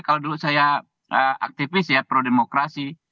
kalau dulu saya aktivis ya pro demokrasi